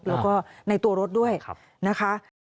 แล้วก็ในตัวรถด้วยนะคะ